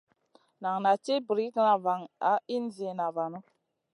Nan naʼ ci brikŋa van a in zida vanu.